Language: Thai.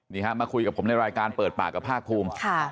นี่ฮะมาคุยกับผมในรายการเปิดปากกับภาคภูมิ